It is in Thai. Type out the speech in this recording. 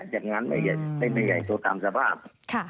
จัดงานไม่ใหญ่ไม่ใหญ่ตัวตามสภาพ